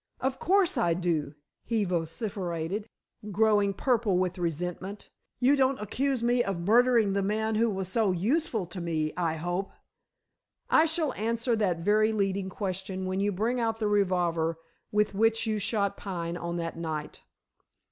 "Of course I do," he vociferated, growing purple with resentment. "You don't accuse me of murdering the man who was so useful to me, I hope?" "I shall answer that very leading question when you bring out the revolver with which you shot Pine on that night."